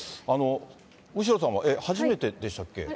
後呂さんは初めてでしたっけ？